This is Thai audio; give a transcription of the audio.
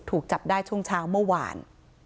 ถูกจับได้ช่วงเช้าเมื่อวาน